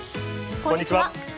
こんにちは。